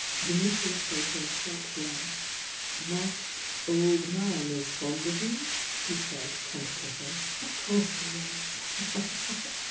IMmitriufl gave her a sharp glance. "That oU man is fond of you?" he said, tenta tivftlv. "Of course he is!"